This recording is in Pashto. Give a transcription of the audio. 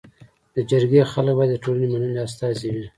د جرګي خلک باید د ټولني منلي استازي وي.